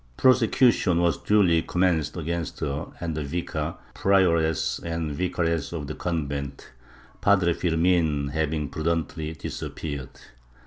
Prosecution was duly commenced against her and the Vicar, Prioress and Vicaress of the convent, Padre Firmin having prudently disappeared.